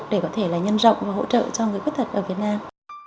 để có thể nhân rộng và hỗ trợ cho người khuyết tật